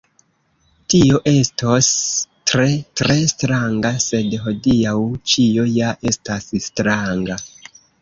Tio estos tre, tre stranga, sed hodiaŭ ĉio ja estas stranga.”